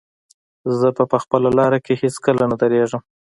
زه به په خپله لاره کې هېڅکله نه درېږم.